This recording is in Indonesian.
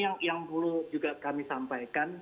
ini yang perlu kami sampaikan